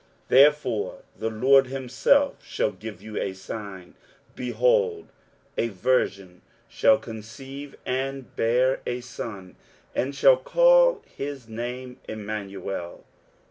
23:007:014 Therefore the Lord himself shall give you a sign; Behold, a virgin shall conceive, and bear a son, and shall call his name Immanuel.